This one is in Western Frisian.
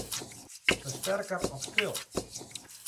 Fersterker op stil.